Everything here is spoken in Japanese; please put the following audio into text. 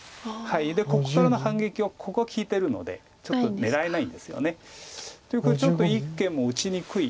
ここからの反撃をここが利いてるのでちょっと狙えないんですよね。ということでちょっと一間も打ちにくい。